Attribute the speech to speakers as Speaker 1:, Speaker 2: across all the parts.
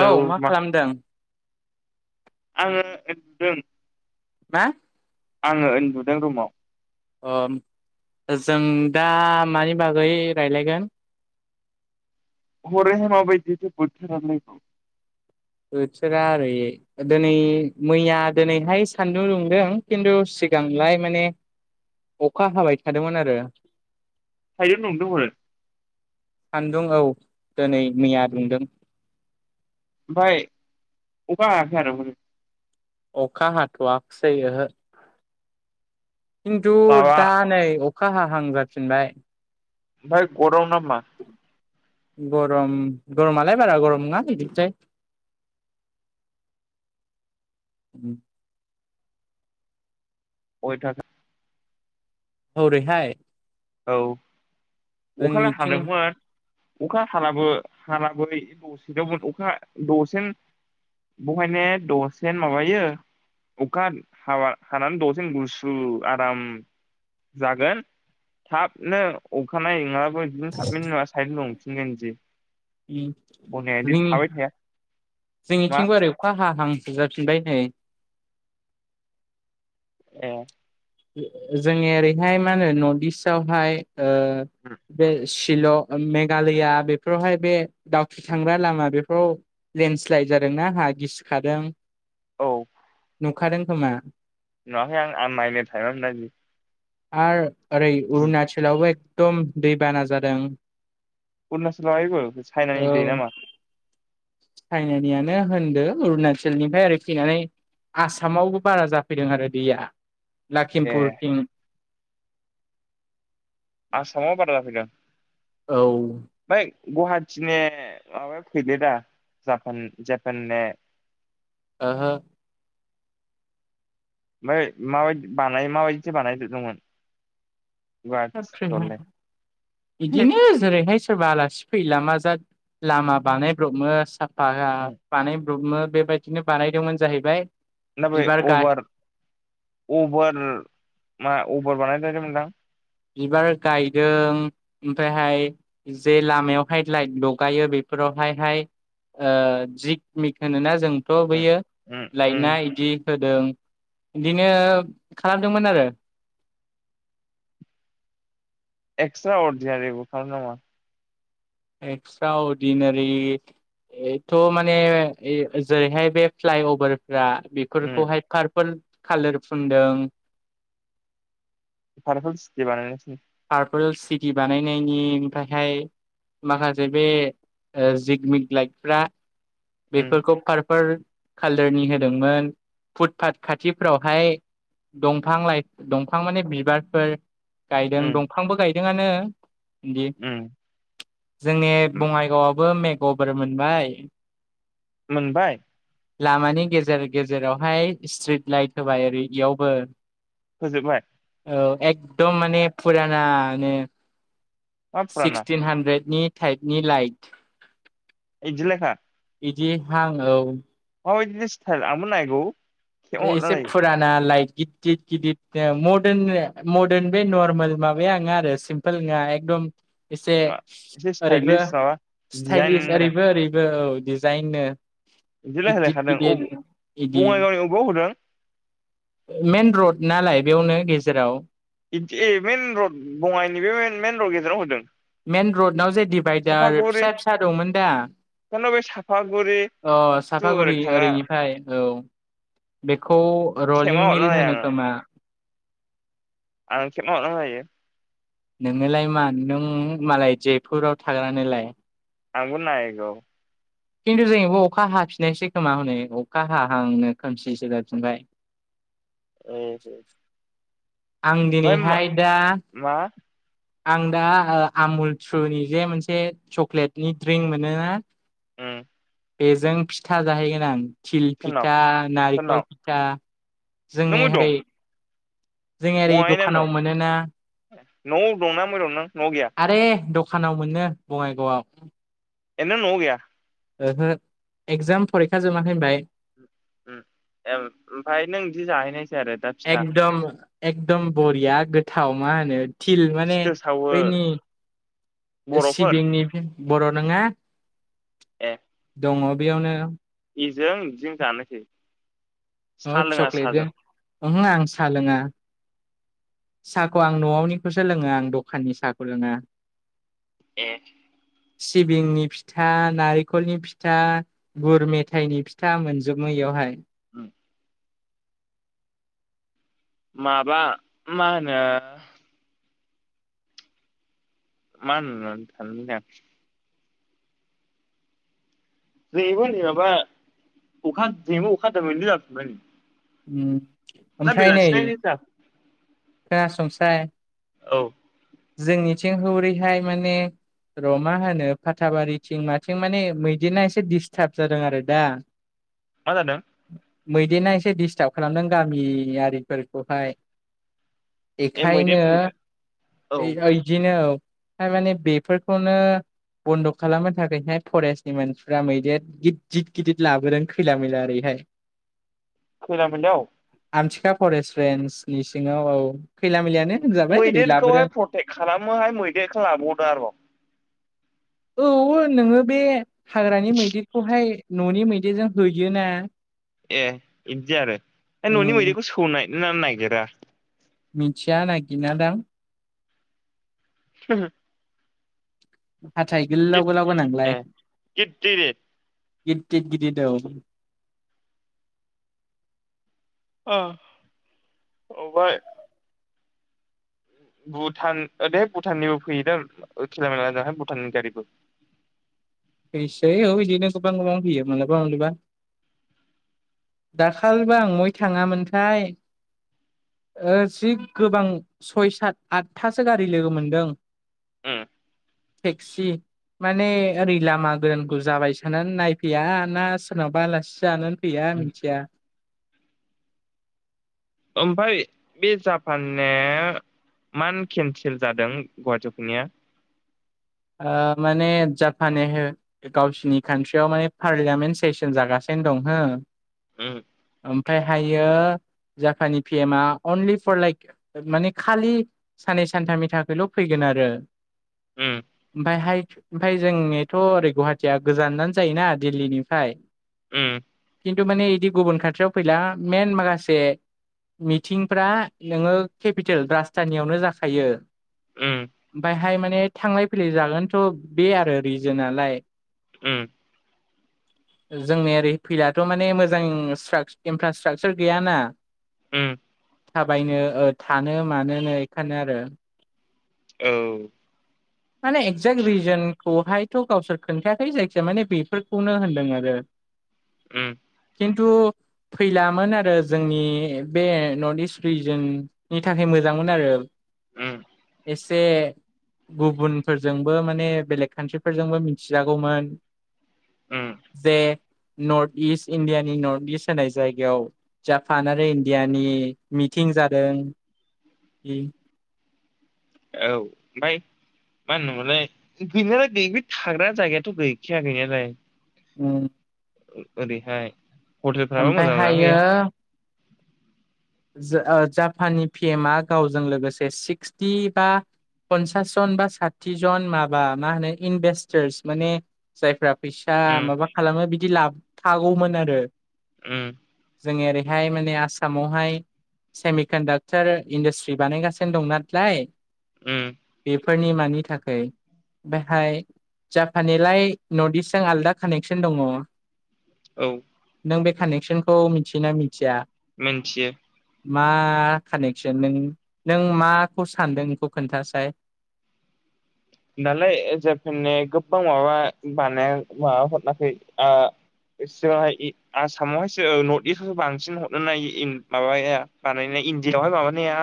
Speaker 1: औ मा खालामदों?
Speaker 2: आङो दों।
Speaker 1: मा?
Speaker 2: आङो उन्दुदों रुमाव
Speaker 1: अ जों दा मानि बागै रायलायगोन
Speaker 2: हरैहाय माबायदिथो बोथोरालाय
Speaker 1: बोथोरा ओरै दिनै मैया दिनैहाय सान्दुं दुंदों खिन्थु सिगांलाय माने अखा हाबाय थादोंमोन आरो
Speaker 2: सान्दुं दुंदों हरै
Speaker 1: सान्दुं औ दिनै मैया दुंदों
Speaker 2: ओमफाय अखा हायाखै आरो हरै
Speaker 1: अखा हाथ'वाखसै ओहो खिन्थु
Speaker 2: माबा
Speaker 1: दा नै अखा हाहां जाफिनबाय
Speaker 2: ओमफ्राय गरम ना मा
Speaker 1: गरम गरमालाय बारा गरम नङा बिदिनोसै आरो
Speaker 2: अयथासार
Speaker 1: हौरैहाय
Speaker 2: औ अखालाय हादोंमोन अखा हालाबो हालाबै दसेनावमोन अखा दसेन बहायनो दसेनो माबायो अखा हाबा हानानै दसेन गुसु आराम जागोन थाबनो अ खानाय नङाबो बिदिनो थाबैनो नङा साइड दुंफिनगोन बिदि बनाया बिदि
Speaker 1: जोंनि
Speaker 2: थाबाय थाया मा
Speaker 1: जोंनिथिंबो आरो अखा हाहां जाफिनबाय नै
Speaker 2: ए
Speaker 1: जोंनि ओरैहाय मा होनो नर्थ इस्ट आवहाय ओ बे शिल' मेघालया बेफोरावहाय बे दावखि थांग्रा लामा बेफोराव लेन्डस्लाइड जादोंना हा गिसिखादों नुखादों खोमा
Speaker 2: नुङाखै आं आं माइनो थाइमानो मोना बिदि
Speaker 1: आरो ओरै अरुनाचलावबो एकदम दैबाना जादों
Speaker 2: अरुणाचलावहायबो चाइनानि दै नामा
Speaker 1: साइनानियानो होनदो अरुणचलनिफ्राय ओर फैनानै आसामावबो बारा जाफैदों आरो दैया
Speaker 2: ए
Speaker 1: लखिमपुरथिं
Speaker 2: आसामाव बारा जाफैदों
Speaker 1: औ
Speaker 2: फ्राय गुवाहाटिनि माबाया फैले दा जापान जापाना
Speaker 1: ओहो
Speaker 2: ओफ्राय माबायदि बानाय माबायदिथो बानायदोंमोन
Speaker 1: बिदिनो जेरैहाय सोरबा आलासि फै लामा जा लामा बानायब्रबनो साफा बानाय ब्बनो बेबायदिनो बानायदोंमोन जाहैबाय
Speaker 2: ना बै
Speaker 1: बिबार गाय
Speaker 2: अभार अभार बानायदोंमोनदां
Speaker 1: बिबार गायदों ओमफ्रायहाय जे लामायावहाय लाइट लगायो बेफोर बेफ्रावहायहाय जिग मिक होनो ना जों थ'
Speaker 2: उम
Speaker 1: बैयो
Speaker 2: उम
Speaker 1: लायना
Speaker 2: उम
Speaker 1: इदि होदों बिदिनो खालामदोंमोन आरो
Speaker 2: एक्सट्रा अरदिनारिबो खालामदों नामा
Speaker 1: एक्सट्रा अर्डिनारि थ' माने जेरैहाय बे फ्लाइअभार रा
Speaker 2: उम
Speaker 1: बेफोरखौहाय पारपोल कालोर फुनदों
Speaker 2: पारपोल सटि बानायनोसै
Speaker 1: पारपोल सिटि बानायनायनि थाखाय माखासे बे जिगमिक लाइतफ्रा
Speaker 2: उम
Speaker 1: बेफोरखौ पार फोर खालारनि होदोंमोन फुटपाथ खाथिफ्राव हाय दंफां लाइ दंफां माने बिबारफोर गायदों
Speaker 2: उम
Speaker 1: गाइदोंआनो गि
Speaker 2: उम
Speaker 1: जोंनि बङाइगाव मेघ गबोर मोनबाय
Speaker 2: मोनबाय
Speaker 1: लामानि गेजेर गेजेरावहाय स्ट्रिट लाइट होबाय ओरै इयावबो
Speaker 2: होजोबबाय
Speaker 1: औ एकदम माने फुरानानो
Speaker 2: मा फुराना
Speaker 1: सिक्सटिन हान्द्रेदनि थाइफनि लाइट
Speaker 2: इदिलेखा
Speaker 1: इदि हां औ
Speaker 2: मा बाइदि सिथायल आंबो नायगौ। खेबना
Speaker 1: एसे
Speaker 2: हरनानै
Speaker 1: फुराना लाइक गिदिद-गिदिद ओ मदार्न-मदार्न बे नरमेल माबाया नङा आरो सिम्पोल नङा एकदम एसे
Speaker 2: मा एसे
Speaker 1: ओरैबो
Speaker 2: स्टाइलिस माबा
Speaker 1: स्टाइलिस
Speaker 2: डिजाइननो
Speaker 1: ओरैबो-ओरैबो औ। दिजाइननो
Speaker 2: बिदि रायलायखादों अ
Speaker 1: गिददिर-गिदिर इदि
Speaker 2: बङाइगावनि अबेयाव होदों
Speaker 1: मेन रड नालाय बेयावनो गेजेराव
Speaker 2: दि ए मइेन रड बङाइनि बे मेन रड गेजेराव होदों।
Speaker 1: मइन रडाव जे डिभाइदार
Speaker 2: साफागुरि
Speaker 1: फिसा-फिसा दंमोन दा?
Speaker 2: खिन्थु बे साफागुरि
Speaker 1: अ
Speaker 2: थु ओरै
Speaker 1: साफागुरि
Speaker 2: थांग्रा
Speaker 1: ओरैनिफ्राय औ। बेखौ
Speaker 2: खेबना
Speaker 1: रलिं
Speaker 2: हरना
Speaker 1: मिल होनो खोमा।
Speaker 2: आंनो खेबना हरबा जायो।
Speaker 1: नोंनोलाय मा नों मालाय जयपुराव थाग्रा नोलाय।
Speaker 2: आंबो नाइगौ।
Speaker 1: खिन्थु जोंबो अखा हाफिननायसै खोमा हनै अखा हाहांनो खोमसिसो जाफिनबाय। [unintelligible]
Speaker 2: ओम हो
Speaker 1: आं दिनैहाय दा
Speaker 2: मा
Speaker 1: आं दा ओ आमुल थ्रुनि जे मोनसे चक्लेटनि ड्रिंक मोनो ना?
Speaker 2: उम
Speaker 1: बेजों फिथा जाहैगोन आं। थिल
Speaker 2: सोरनाव
Speaker 1: फिथा नारिखल
Speaker 2: सोरनाव
Speaker 1: फिथा
Speaker 2: नों
Speaker 1: जोंनि
Speaker 2: बबाव दं
Speaker 1: होरै जों ओरै दखानाव मोनो ना
Speaker 2: न' न'आव दंना बबाव दं नों न'आव गैया
Speaker 1: आरे दख दखानाव मोनो बङाइगावआव
Speaker 2: ए नो न'आव गैया?
Speaker 1: ओहो एकजाम फरिखा जोबाखै होनबाय।
Speaker 2: ओम एम ओमफ्राय नों बिदि जाहैनायसै आरो दा फिथा
Speaker 1: एकदम-एकदम बरिया गोथाव मा होनो थिल माने
Speaker 2: सिथोर सावो
Speaker 1: बैनि
Speaker 2: बर'फोर
Speaker 1: सिबिंनि बर' नङा
Speaker 2: ए
Speaker 1: दङ बेयावनो।
Speaker 2: इजों बिजों जानोसै।
Speaker 1: अ
Speaker 2: साहा लोङा
Speaker 1: चक्लेटजों
Speaker 2: साहाजों
Speaker 1: ओमहो आं सा लोङा। साखौ आं न'आवनिखौसो लोङो आं दखाननि साखौ लोङा।
Speaker 2: ए
Speaker 1: सिबिंनि फिथा नारेखलनि फिथा गुर मेथायनि फिथा मोनजोबो यावहाय।
Speaker 2: उम माबा मा होनो मा होननो सानदोमोन आं जोंनिथिंबो नै माबा अखा देमु दोमैलु जाजोब्बाय नै
Speaker 1: ओम
Speaker 2: ना बिलासिनाय जा
Speaker 1: खोना संसाय
Speaker 2: औ
Speaker 1: जोंनिथिं हौरैहाय माने र' मा होनो फाथाबारिथिं माथिं माने मैदेना एसे डिस्टाब जादों आरो दा।
Speaker 2: मा जादों।
Speaker 1: मैदेना एसे डिस्टाब खालामदों गामियारिफोरखौहाय
Speaker 2: ए मैदेर
Speaker 1: बेखायनो
Speaker 2: फैदों औ
Speaker 1: ओय इदिनो औ थारमाने बेफोरखौनो बन्द' खालामनो थाखैहाय फरेस्टनि मानसिफ्रा मैदेर गिदिद गिदिद लाबोदों खैला मैला ओरैहाय। [inaudible]
Speaker 2: खैला मोननियाव
Speaker 1: आमथिखा फरेस्ट रेन्जनि सिङाव औ खैला मैलायानो होनजाबाय ओरै लाब
Speaker 2: खौहाय पटेक खालामो आरो मैदेरखौ लाबावदो आरोबाव
Speaker 1: औ नोङो बे हाग्रानि मैदेरखौहाय न'नि मैदेरजों होयोना
Speaker 2: ए बिदि आरो ओय न'नि
Speaker 1: उम
Speaker 2: मैदेरखौ सौनायनानै नायगोरा।
Speaker 1: मिथिया नागिरना दां।
Speaker 2: [unintelligible]
Speaker 1: हाथाइ गोलाव गोलाव गोनांलाय।
Speaker 2: ए गिदिर
Speaker 1: गिदिद गिदिद औ
Speaker 2: अ' अबहाय भुटान दे भुटाननिबो फैयोदा खैला मैला हाय भुटाननि गारिबो।
Speaker 1: फैसै औ बिदिनो गोबां गोबां फैयो मालाबा मालाबा दाखालिबो आं मवाय थाङामोनथाय ओ जि गोबां सय सात आठथासो गारि लोगो मोनदों। टेक्सि माने ओरै लामा गोरानखौ जाबाय सानानै नायफैया ना सोरनावबा आलासि जानोनो फैया
Speaker 2: उम
Speaker 1: मिनथिया
Speaker 2: ओमफाय बे जापान ने मान केन्सेल जादों गुवाहाटियाव फैनाया?
Speaker 1: ओ माने जापानेहेर गावसिनि कान्ट्रियाव माने पार्लियामेन्ट सेसन जागासिनो। थिन दं हो
Speaker 2: उम
Speaker 1: ओमफाय हायो। जापाननि पि एमआ अनलि फर लाइक माने खालि साननै सानथामनि थाखायल' फैग गिन आरो
Speaker 2: उम
Speaker 1: ओमफायहाय ओमफाय जोंनिथ' ओरै गुवाहाटिया गोजानजान जायोना दिल्लीनिफाय
Speaker 2: उम
Speaker 1: किन्तु माने बिदि गुबुन खाथियाव फैला मेन माखासे मिथिंफ्रा नोङो केपिटेल राजथानियावनो जाखायो।
Speaker 2: उम
Speaker 1: बैहाय माने थांलाय फैलाय जागोनथ' बे आरो रिजोनालाय
Speaker 2: ओम
Speaker 1: [inaudible] जोंनि ओरै फैलाथ' माने मोजां स्राक इनफ्रास्ट्राकसार गैयाना।
Speaker 2: उम
Speaker 1: थाबायनो ओ थानो मानोनो बेखायनो आरो।
Speaker 2: औ
Speaker 1: माने एक्जेक्ट रिजनखौहायथ' गावसोर खोन्थायाखै जायखिजाया माने बेफोरखौनो होनदों आरो। [inaudible]
Speaker 2: ओम
Speaker 1: खिन्थु फैलामोन आरो जोंनि बे नर्थ इस्ट रिजिननि थाखाय मोजांमोन आरो।
Speaker 2: उम
Speaker 1: एसे गुबुनफोरजोंबो माने बेलेग कान्ट्रिफोरजोंबो मिथिजागौमोन।
Speaker 2: उम
Speaker 1: जे नर्थ इस्ट इण्डियानि नर्थ इस्ट होननाय जायगायाव जापान आरो इण्डियानि मिथिं जादों।
Speaker 2: औ ओमफ्राय मा होनोमोनलाय गैनायालाय बे थाग्रा जायगायाथ' गैखाया गैनायालाय।
Speaker 1: ओम
Speaker 2: ओरैहाय हटेलफ्राबो मोजां मोजाङानो
Speaker 1: ओमफ्रायहायो
Speaker 2: गैया
Speaker 1: जो ओ जापाननि पिएमआ गावजों लोगोसे सिक्सटि बा पनसास जन बा साथिजन माबा मा होनो इनभेस्टार्स माने जायफ्रा फैसा
Speaker 2: उम
Speaker 1: माबा खालामो बिदि लाबोफागौमोन आरो
Speaker 2: ओम
Speaker 1: जोंनि ओरैहाय माने आसामावहाय सेमिकणडाक्टार इडासट्रि बानायगासिनो दं नालाय
Speaker 2: उम
Speaker 1: फोरनिमानि थाखै बेहाय जापाननिलाय नर्थ इस्टजों आलदा कानेक्सन दङ
Speaker 2: औ
Speaker 1: नों बे कानेकसनखौ मिथियोना मिथिया
Speaker 2: मोन्थियो
Speaker 1: मा कानेकसन नों नों माखौ सानदों बेखौ खोनथासाय [inaudible]
Speaker 2: दालाय जापाननि गोबां माबा बानाया माबा ओ सिगांहाय आसामावहायसो नर्थ इस्त आवसो बांसिन हरनो नाय माबाया बानायनाय इण्डिआवहाय माबानाया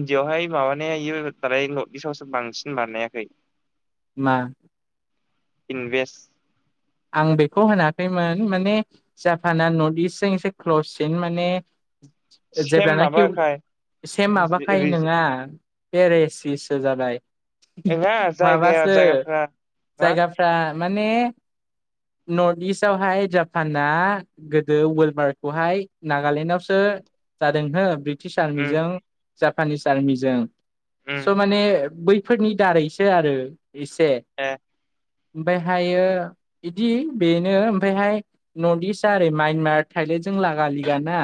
Speaker 2: इण्डिआयावहाय माबानाया जयो दालाय नर्थ इस्टआवसो बांसिन बानाया खै
Speaker 1: मा
Speaker 2: इनभेस्ट
Speaker 1: आं बेखौ होनाखैमोन माने जापाना नर्थ इस्टजों एसे क्लससिन माने
Speaker 2: सेम
Speaker 1: जेब्लानाखि
Speaker 2: माबाखाय
Speaker 1: सेम माबाखाय नङा पेरेसिसो जाबाय
Speaker 2: नङा जायगाया
Speaker 1: माबासो
Speaker 2: जायगाफ्रा मा
Speaker 1: जायगाफ्रा माने नर्थ इस्टवाहाय जापाना गोदो वलबारखौहाय नागालेण्डआवसो जादों हो ब्रिटिस
Speaker 2: उम
Speaker 1: आर्मिजों जापानिस आर्मिजों
Speaker 2: उम
Speaker 1: स' माने बै फोरनि दारैसो आरो एसे
Speaker 2: ए
Speaker 1: ओमफायहायो बिदि बेनो ओमफ्रायहाय नर्थ इस्टआ ओरै म्यानमार थायलेण्डजों लागालिगाना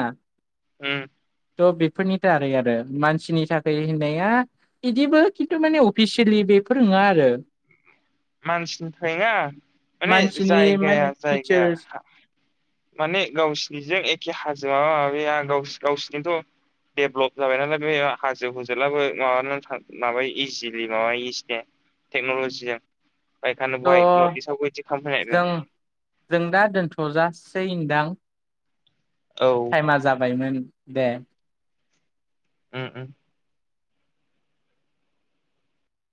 Speaker 2: ओम
Speaker 1: थ बेफोरनि दारै आरो मानसिनि थाखाय होननाया बिदिबो खिन्थु माने अफिसियेलि बे बेफोर नङा आरो
Speaker 2: मानसिनि थाखाय नङा माने
Speaker 1: मानसिनि
Speaker 2: जायगाया
Speaker 1: माने
Speaker 2: जायगाया
Speaker 1: फिचार्स
Speaker 2: माने गावसिनिजों एखे हाजोआ माबाया गाव गावसिनिथ' देभेलप जाबाय नालाय बे हाजो हुजलाबो माबानानै माबायो इजिलि माबायोस दे टेक्न'ल'जिजों बायखानो बहाय
Speaker 1: थ'
Speaker 2: नर्थ इस्टआवबो बिदि खालामफैनायदों
Speaker 1: जों जों दा दोनथ' जासि गोन दां
Speaker 2: औ उम
Speaker 1: टाइमा जाबायमोन दे
Speaker 2: ओ ओ